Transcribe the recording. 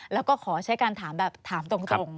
แล้วก็ขอใช้การถามแบบถามตรง